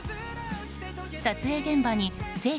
撮影現場に聖地